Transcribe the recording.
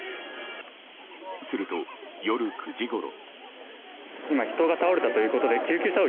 すると、夜９時ごろ。